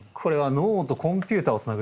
脳とコンピューターをつなぐ？